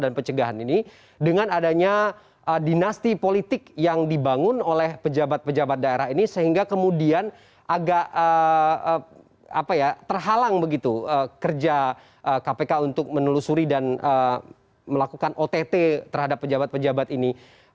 dan pencegahan ini dengan adanya dinasti politik yang dibangun oleh pejabat pejabat daerah ini sehingga kemudian agak apa ya terhalang begitu kerja kpk untuk menelusuri dan melakukan ott terhadap pejabat pejabat ini